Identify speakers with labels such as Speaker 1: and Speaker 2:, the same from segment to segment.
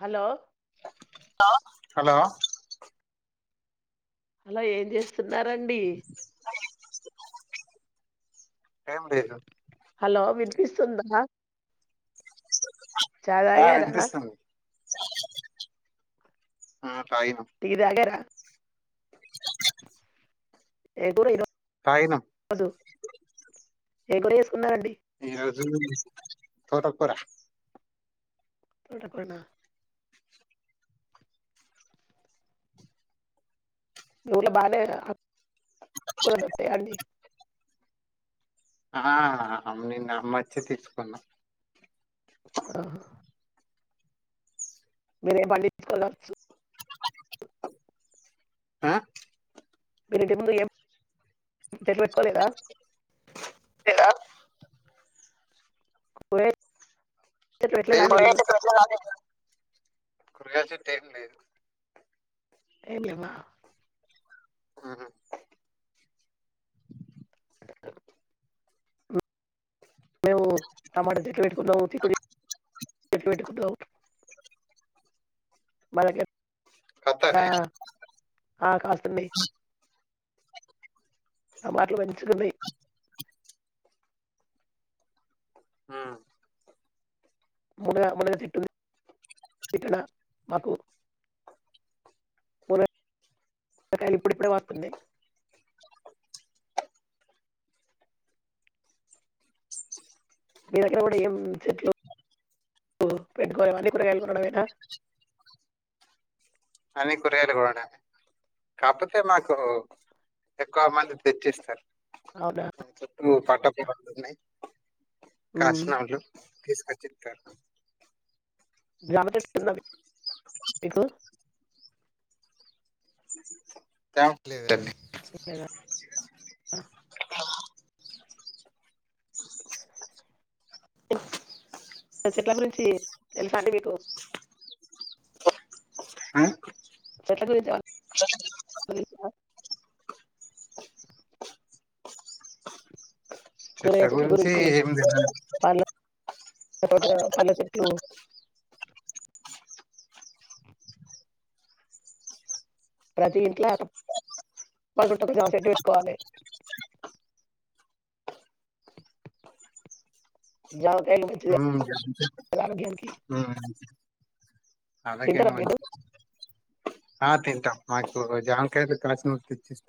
Speaker 1: Hello
Speaker 2: hello
Speaker 1: hello ఏం చేస్తున్నరండి?
Speaker 2: ఏం లేదు
Speaker 1: హలో విన్పిస్తుందా? చాయ్ తాగారా
Speaker 2: సరే సరే ఆ తాగినం
Speaker 1: టి దాగరా? ఏం కూర ఇరో
Speaker 2: తాగినా
Speaker 1: ఏం కూర ఏసుకున్నారండీ
Speaker 2: తోటకూర
Speaker 1: తోటకూర నా ఊళ్ళో బానే ఆకుకూరలు దొరుకుతాయా అండి
Speaker 2: ఆ అమ్ నిన్న అమ్మంచింది తీసుకున్నా
Speaker 1: ఓహ్ మీరేం పండించుకోరుకావచ్చు.
Speaker 2: ఆ
Speaker 1: మీరు ఇంటి ముందు ఏం చెట్లు పెట్టుకోలేదా? కూరగాయల్
Speaker 2: లేదు కూరగాయ చెట్లు పెట్టలేదనే కూరగాయ చెట్లు ఏమి లేదు.
Speaker 1: ఏమిలేవ్వా?
Speaker 2: ఉహుమ్
Speaker 1: మేము టమాటా చెట్లు పెట్టుకున్నాము చిక్కుడు చెట్లు పెట్టుకున్నాము. మలకేడ్
Speaker 2: కత్తన్నయా
Speaker 1: ఆ కాతున్నాయి. ఆ టమాటలు మంచిగున్నాయి.
Speaker 2: ఉమ్
Speaker 1: మునగ మునగ చెట్టు ఉంది తిట్టన మాకు సొరకాయలు ఇప్పుడిప్పుడే కత్తునాయి. మీ దగ్గర కూడా ఏం చెట్లు ఓ పెట్టుకొర అన్ని కూరగాయలు కొనడమేనా?
Speaker 2: అనే కూరగాయలు కొనడమే. కాపోతే మాకు ఎక్కువ మంది తెచ్చిస్తరు.
Speaker 1: అవునా
Speaker 2: చుట్టు పంటపొలాలు ఉన్నాయి.
Speaker 1: మ్మ్.
Speaker 2: కాసిన వాళ్ళు తీస్ కచ్చిత్తరు.
Speaker 1: జామచెట్టు ఉందా మీ మీకు
Speaker 2: జామ్ లేదండి
Speaker 1: లేదా ఆ చెట్ల గురించి తెలుసా అండి మీకు చెట్ల గురించి అన్న తెలుసా? కూరగాయా చెట్ల గురించి పాల ఉపోద్ద పండ్లచెట్లు ప్రతి ఇంట్ల తప్పకుంట ఒక జామచెట్టు పెట్టుకోవాలే. జామకాయలు మంచిదే జామకాయలకి
Speaker 2: అందుకేనా
Speaker 1: మీరు
Speaker 2: మంచింది. ఆ తింటా మాకు జామ్కాయలు కసినోవోల్ తెచ్చిస్త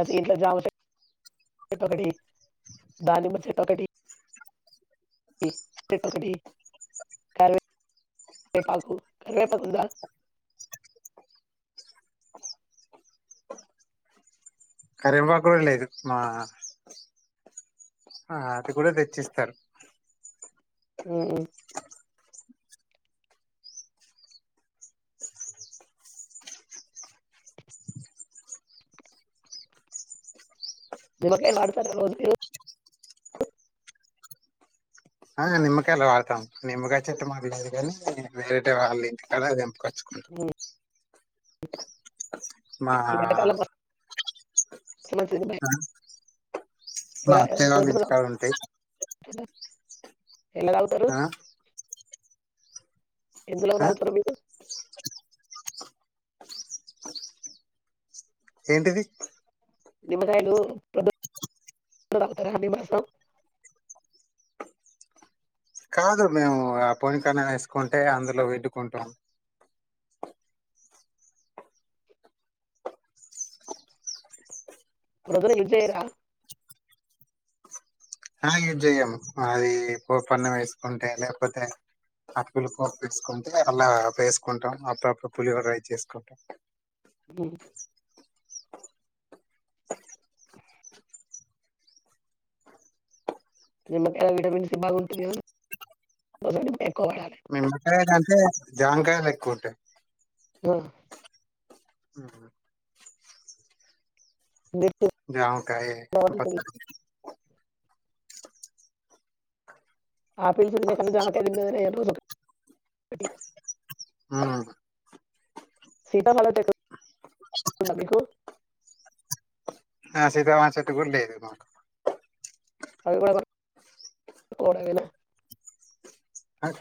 Speaker 1: అది ఇట్లా జామచే ఇత్త ఒకటి దానిమ్మ చెట్టు ఒకటి ఈ చెట్టు ఒకటి కరివే రేపాకు కరివేపాకు ఉందా?
Speaker 2: కరపాకుడలదదు మా ఆ అది కూడా తెచ్చిస్తారు.
Speaker 1: ఉమ్ నిమ్మకాయలు బాడుతారా రోజు మీరు
Speaker 2: ఆ నిమ్మకాయలు వాడతాం నిమ్మకాయ చెట్టు మాకు లేదు గని వేరేటి వాళ్ళ ఇంటికా తెంపుకొ క
Speaker 1: ఉమ్,
Speaker 2: మా
Speaker 1: చిన్న తుదిమే
Speaker 2: మా అత్తయ్య వాళ్ళ ఇంటికాడ ఉంటే
Speaker 1: తేల్వద్ ఎల్లా తాగుతారు
Speaker 2: ఆ
Speaker 1: ఎందులో
Speaker 2: ఆ
Speaker 1: తాగుతారు మీరు
Speaker 2: ఏంటిది
Speaker 1: నిమ్మకాయలు ప్రొద్దున తాగుతారా నిమ్మరసం
Speaker 2: కాదు మేము ఆ పొనీ కన్నా వేసుకుంటే అందులో పిండుకుంటాం
Speaker 1: ప్రొద్దున కి యూస్ చేయరా
Speaker 2: ఆ యూజ్ చెయ్యము అది పప్పు అన్నం వేసుకుంటే లేకపోతే అప్పీలు పప్పు వేసుకుంటే అలా వేసుకుంటాం అప్పుడప్పుడు పులిహోర రైస్ చేసుకుంటాం
Speaker 1: ఉమ్ నిమ్మకాయ లో విటమిన్స్ సి బాగుంటుంది కదా [unintelligible] ఎక్కువ వాడాలి
Speaker 2: నిమ్మకాయలంటే జామకాయలు ఎక్కువ ఉంటాయి.
Speaker 1: ఆ
Speaker 2: ఉమ్
Speaker 1: మీ
Speaker 2: జామకాయే బత్
Speaker 1: ఆపిల్స్ తినే కంటే జామకాయలు తినడమే [unintelligible] రోజు ఒకటి
Speaker 2: ఉమ్
Speaker 1: సీతాఫలం చెట్టు ఉందా మీకు
Speaker 2: ఆ సీతాఫలం చెట్టు కూడా లేదు మాకు
Speaker 1: అవి కూడ కొనుక్కోవడమేనా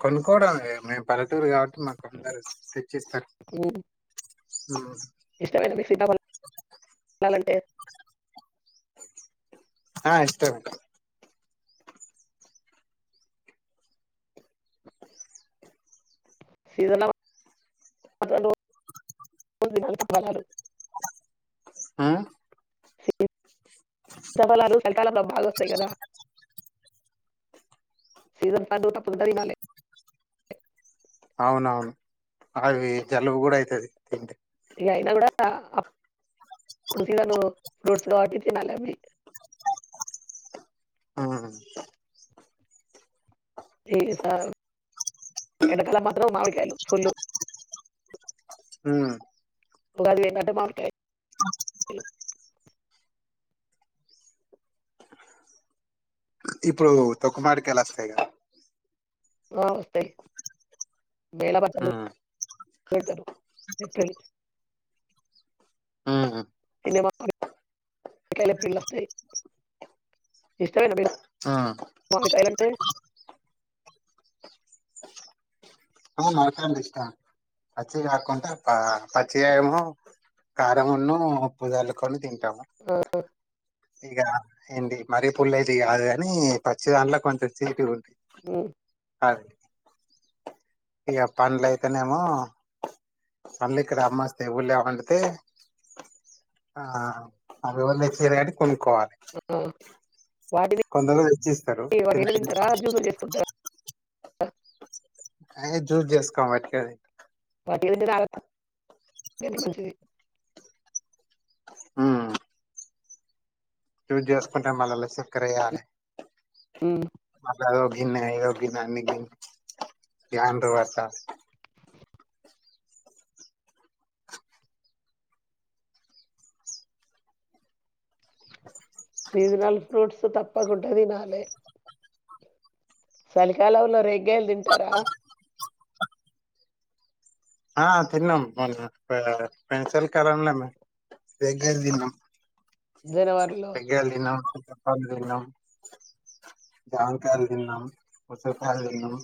Speaker 2: కొనుక్కోవడం లే మేము పల్లెటూరు కాబట్టి మాకు అందరు తెచ్చిస్తారు.
Speaker 1: ఉమ్,
Speaker 2: ఉమ్
Speaker 1: ఇష్టమేనా మీకు సీతాఫలం తినాలంటే
Speaker 2: ఆ ఇష్టమే
Speaker 1: సీజన్ల మందు కొన్ని ఫలాలు
Speaker 2: ఆ
Speaker 1: సీతఫలాలు చలికాలంలో బాగా వస్తాయి కదా సీజన్ పండు అప్పుడు ఉంటే తినాలి
Speaker 2: అవునవును అవి జలుబు కూడా అయితది తింటే
Speaker 1: ఇక అయినా కూడా అప్పుడు సీజనల్ ఫ్రూట్స్ కాబట్టి తినాలి అవి
Speaker 2: ఉమ్
Speaker 1: వెయ్యి సార్లు ఎండకాలం మాత్రం మామిడికాయలు ఫుల్లు
Speaker 2: ఉమ్
Speaker 1: ఉగాది పోయిందంటే మామిడికాయ
Speaker 2: ఇప్పుడు తక్కువ మామిడికాయలు వస్తాయి కదా
Speaker 1: ఆ వస్తాయి నేల పచ్చళ్ళు
Speaker 2: ఉమ్
Speaker 1: పెడతారు పిక్కయి [inaudible]
Speaker 2: ఉమ్
Speaker 1: [unintelligible] మామిడికాయలు పిల్లస్తోయి ఇష్టమేనా మీకు
Speaker 2: ఉమ్
Speaker 1: మామిడికాయలు అంటే
Speaker 2: ఆ మామిడికాయలు అంటే ఇష్టమే పచ్చి కాకుండా పచ్చిగాయము కారంమున్న ఉప్పు జల్లుకొని తింట టాం
Speaker 1: ఆ!
Speaker 2: ఇక ఏంటి మరీ పుల్లవి అయితే కాదు కాని పచ్చి దాంట్లో కొంచెం తీపి ఉంటాయి
Speaker 1: ఉమ్
Speaker 2: ఇగ పండ్ల అయితేనేమో పండ్లు ఇక్కడ అమ్మోస్తయి ఊళ్లో పండితే ఆ అవిగున్ తెచ్చిర్ గాని కొనుక్కోవాలి.
Speaker 1: ఆ! వాటిని
Speaker 2: కొందరు తెచ్చిస్తారు
Speaker 1: [unintelligible]
Speaker 2: చిన్న
Speaker 1: వట్టిగనే తింటారా జ్యూసుల్ చేసుకుంటరా [inaudible]
Speaker 2: అ య్ జూస్ జేస్కొం వట్టిగనే
Speaker 1: వట్టిగ తింటెనే ఆరోగ్యానికి మంచిది
Speaker 2: ఆ జూస్జేసుకుంటె మల్లల్ల సెక్కరెయ్యాలె
Speaker 1: మ్మ్మ్
Speaker 2: మల్లదో గిన్నె ఇదో గిన్న అని గిన్ ఇగ అంటు బట్టాలె
Speaker 1: సీజనల్ ఫ్రూట్స్ తప్పకుంట తినాలె సలికాలంలో రేగ్గాయల్తింటరా
Speaker 2: ఆ తిన్నం రెగ్గాయల్ దిన్నం
Speaker 1: జనవరిలో?
Speaker 2: రెగ్గాయల్దిన్న అప్పుడ్ దిన్నం జామకాయల్దిన్నం పుచ్చకాయల్దిన్నం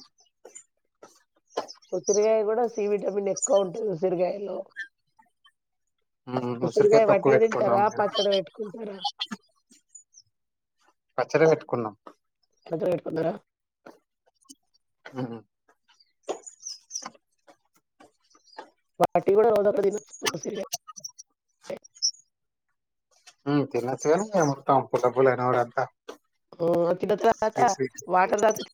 Speaker 1: ఉసిరిగాయ గూడ సి విటమిన్ ఎక్కువ ఉంటుంది ఉసిరిగాయలో
Speaker 2: ఉమ్ ఉసిరికాయ
Speaker 1: ఉసిరిగాయ్
Speaker 2: తొక్కు
Speaker 1: వట్టిగా
Speaker 2: పెట్టుకున్నాం
Speaker 1: తింటారా పచ్చడి పెట్టుకుంటరా
Speaker 2: పచ్చడ పెట్టుకున్నం
Speaker 1: పచ్చడ పెట్టుకున్నరా
Speaker 2: ఊ ఉ
Speaker 1: వాటిని గూడ రోజొకటి తినొచ్చు ఉసిరిగాయ్
Speaker 2: ఉమ్ తినచ్చుగనిగ మొత్తం పుల్లపుల్లగ నోరంతా
Speaker 1: ఆ! అది తిన్న తరువాత
Speaker 2: స్వీట్
Speaker 1: వాటర్ తాగుతే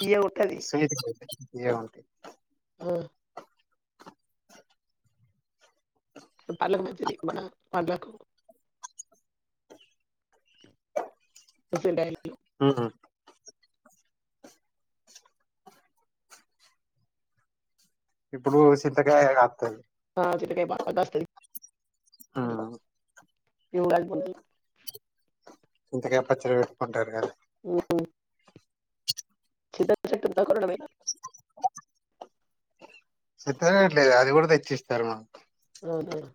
Speaker 1: తియ్యగుంటది
Speaker 2: స్వీట్ ఇవే ఉంటాయి
Speaker 1: పల్లకు మంచిది మన పండ్లకు ఫ్రెష్షుగుంటయ్
Speaker 2: అవునా ఇప్పుడూ సింతగాయే గాత్తది
Speaker 1: ఆ చింతకాయ బాగ్గాస్తది ఇప్పుడు
Speaker 2: ఉమ్
Speaker 1: ఇవ్ గల్పొద్దు
Speaker 2: చింతకాయ పచ్చడి పెట్టుకుంటరుగా
Speaker 1: ఊ హూ చింత చెట్టుందా కొన్నడా మీయన్న
Speaker 2: చెత్తగాట్లేదు అది కూడా తెచ్చిస్తరు మాకు
Speaker 1: వొద్దన్న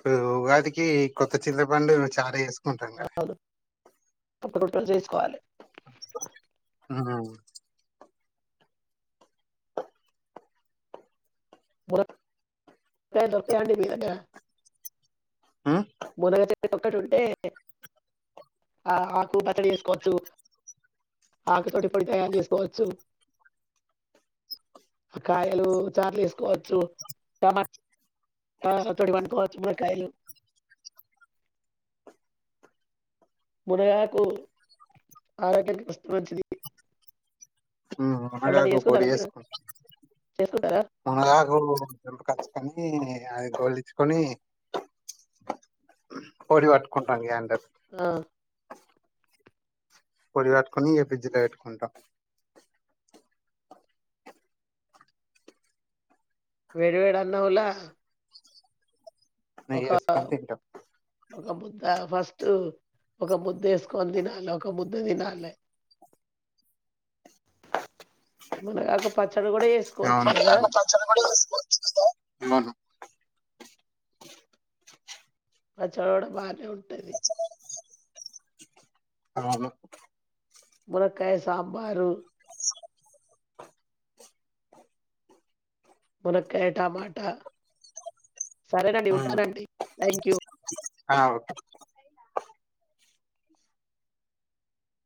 Speaker 2: ప్పు ఉగాదికీ కొత్త చింతపండు చారే
Speaker 1: [unintelligible] ఒక్క రొట్టల్ జేసుకోవాలె
Speaker 2: ఆ
Speaker 1: [unintelligible] దొరుకతాయాండీ మీ దగ్గర
Speaker 2: ఉమ్
Speaker 1: ముూనగ చెట్టు ఒక్కటుంటే ఆ ఆకు పచ్చడి చేసుకోవచ్చు ఆకుతోటి పొడి తయారు చేసుకోవచ్చు కాయలూ చార్లేసుకోవచ్చు టమా ఆ వాటి తోడి వండుకోవచ్చు ములక్కాయలు మునగాకూ ఆరోగ్యానికి మంచిది
Speaker 2: ఉమ్
Speaker 1: ఎప్పుడన్న
Speaker 2: మునగాకు పొడి
Speaker 1: చేసుకున్నారా మీరు చేసుకుంటరా
Speaker 2: నాకెవలొండుతరు కొనుక్కచుకనీ అయి గోలిచ్చుకొనీ పొడి పట్టుకుంట ఇగ
Speaker 1: ఆ
Speaker 2: పొడి పట్టుకొనీ ఇగ ఫ్రిడ్జి ల పెట్టుకుంట
Speaker 1: వేడివేడి అన్నంల
Speaker 2: నెయ్యి ఏసుకొని తింటం
Speaker 1: ఒక్క ముద్ద ఫస్ట్ ఒక ముద్ద ఏసుకొని తినాల ఒక ముుద్దు తినాలే. మునగ ఆకు పచ్చడి కూడా ఏసు
Speaker 2: అవునా మునగాకు పచ్చడి కూడా ఏసుకొచ్
Speaker 1: పచ్చడి కూడా బానే ఉంటది.
Speaker 2: అవును
Speaker 1: మునక్కాయ సాంబారు మునక్కయ టమాట సరేనండి
Speaker 2: ఉమ్
Speaker 1: ఉంటానండి థ్యాంక్ యూ
Speaker 2: ఆ ఓ